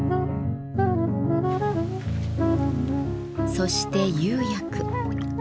そして釉薬。